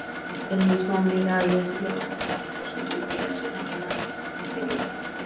El mismo "Omega" había sido abandonado por su tripulación alemana el año anterior.